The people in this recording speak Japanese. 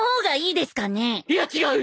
いや違う！